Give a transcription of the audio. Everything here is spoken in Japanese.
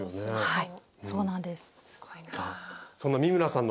はい。